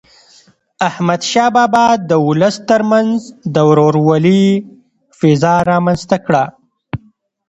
احمدشاه بابا د ولس تر منځ د ورورولی فضا رامنځته کړه.